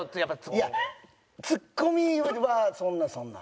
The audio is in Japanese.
いやツッコミはそんなそんな。